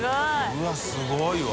うわぁすごいわ。